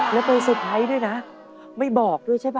แล้วตัวสุดท้ายด้วยนะไม่บอกด้วยใช่ป่